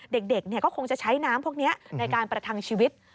เด็กก็คงจะใช้น้ำพวกนี้ในการประทังชีวิต